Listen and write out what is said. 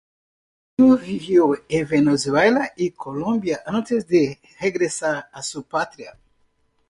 Luego vivió en Venezuela y Colombia antes de regresar a su patria.